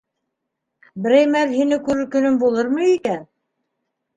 Берәй мәл һине күрер көнөм булырмы икән?